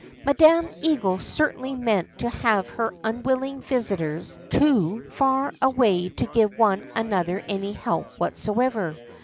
Madam Eagle certainly meant to have her unwilling visitors too far away to give one another any help whatever.